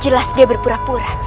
jelas dia berpura pura